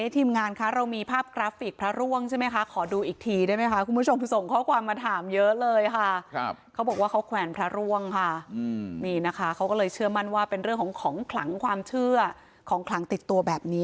ทิมงานคะเรามีภาพกราฟิกพระร่วงใช่ไหมคะขอดูอีกทีได้ไหมคะคุณผู้ชมส่งข้อความมาถามเยอะเลยค่ะ